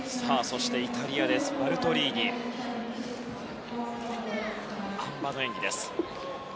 そして、イタリアのバルトリーニのあん馬の演技です。